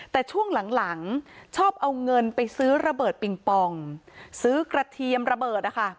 แต่ช่วงหลังชอบเอาเงินไปซื้อระเบิดปิงปองซื้อกระเทียมระเบิดนะคะ